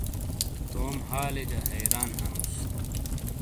توم حالیجہ حیران ہنوس۔